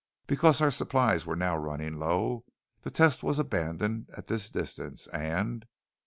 Because our supplies were now running low, the test was abandoned at this distance and....'